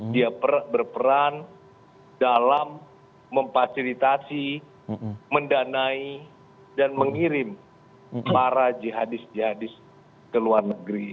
dia berperan dalam memfasilitasi mendanai dan mengirim para jihadis jihadis ke luar negeri